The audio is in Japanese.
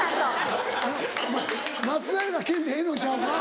あの松平健でええのちゃうか？